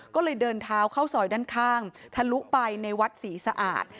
ก็เลยเดินเท้าเข้าซอยด้านข้างทะลุไปในวัดศรีสะอาด